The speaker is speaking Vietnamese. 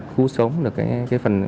khu sống được cái phần